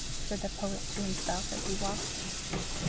said the poet to himself as he walked.